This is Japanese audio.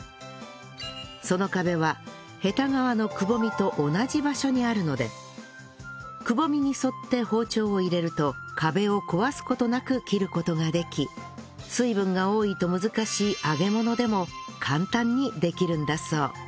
その壁はヘタ側のくぼみと同じ場所にあるのでくぼみに沿って包丁を入れると壁を壊す事なく切る事ができ水分が多いと難しい揚げ物でも簡単にできるんだそう